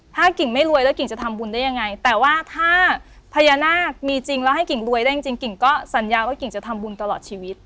ถ้ากิ่งไม่รวยแล้วกิ่งจะทำบุญได้ยังไงแต่ว่าถ้าพญานาคมีจริงแล้วให้กิ่งรวยได้จริงกิ่งก็สัญญาว่ากิ่งจะทำบุญตลอดชีวิต